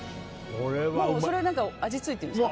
それ味付いてるんですか？